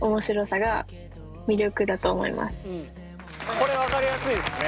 これ分かりやすいですね。